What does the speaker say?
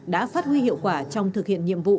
đã phát huy hiệu quả trong thực hiện nhiệm vụ